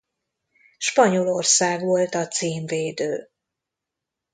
Spanyolország volt a címvédő.